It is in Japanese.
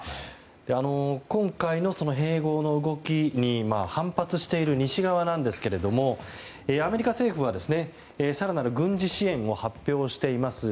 今回の併合の動きに反発している西側ですがアメリカ政府は更なる軍事支援を発表しています。